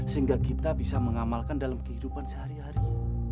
sehingga kita bisa mengamalkan dalam kehidupan sehari hari